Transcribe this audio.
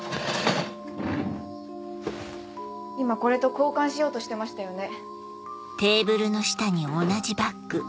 今これと交換しようとしてましたよね。